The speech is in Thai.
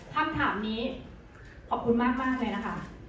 คำถามนี้ขอบคุณมากเลยนะคะ